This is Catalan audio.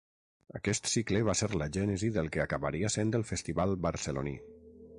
Aquest cicle va ser la gènesi del que acabaria sent el festival barceloní.